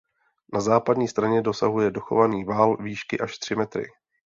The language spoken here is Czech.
Na západní straně dosahuje dochovaný val výšky až tři metry.